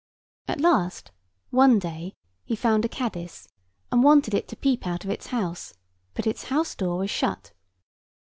At last one day he found a caddis, and wanted it to peep out of its house: but its house door was shut.